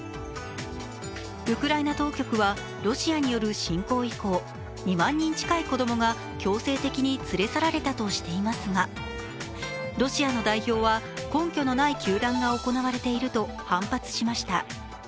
ウクライナ当局はロシアによる侵攻以降２万人近い子供が強制的に連れ去られたとしていますがロシアの代表は、根拠のない糾弾が行われていると反発しました。